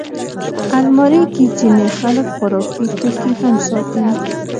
الماري کې ځینې خلک خوراکي توکي هم ساتي